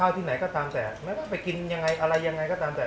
ข้าวที่ไหนก็ตามแต่แม่แล้วไปกินอะไรยังไงก็ตามแต่